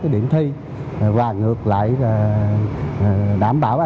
ở trong cái giờ làm bài